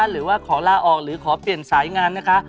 หรือว่าขอลาออกหรือขอเปลี่ยนสายงานนะคะ